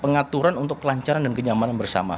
pengaturan untuk kelancaran dan kenyamanan bersama